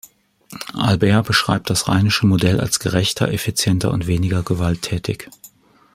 Albert beschreibt das rheinische Modell als gerechter, effizienter und weniger gewalttätig.